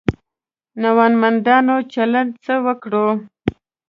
نومندانو چلند څه وکړو.